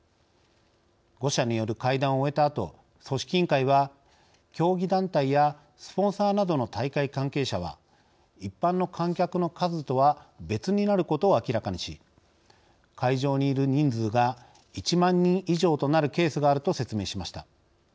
５者による会談を終えたあと組織委員会は、競技団体やスポンサーなどの大会関係者は一般の観客の数とは別になることを明らかにし会場にいる人数が１万人以上となるケースがあると説明しました。